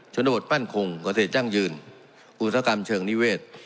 ชนบทมั่นคงกระเทศจ้างยืนอุตสาหกรรมเชิงนิเวศ